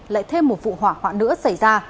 lại thêm một vụ hỏa hoạn nữa xảy ra